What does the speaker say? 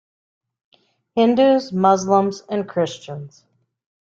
Hindus, Muslims and Christians.